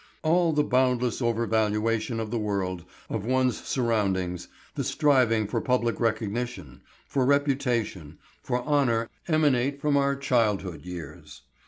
All the boundless overvaluation of the world, of one's surroundings, the striving for public recognition, for reputation, for honour emanate from our childhood years.